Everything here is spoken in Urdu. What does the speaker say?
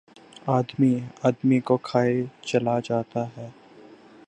آدمی، آدمی کو کھائے چلا جاتا ہے